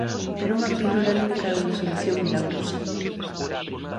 Pero unha pílula nunca é unha solución milagrosa.